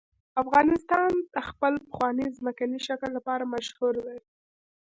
افغانستان د خپل پخواني ځمکني شکل لپاره مشهور دی.